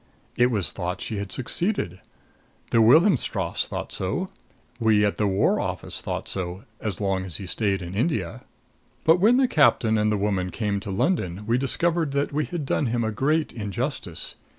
"It was thought she had succeeded the Wilhelmstrasse thought so we at the War Office thought so, as long as he stayed in India. "But when the captain and the woman came on to London we discovered that we had done him a great injustice.